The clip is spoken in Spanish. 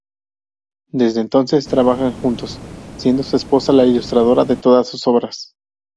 Desde entonces trabajan juntos, siendo su esposa la ilustradora de todas sus obras.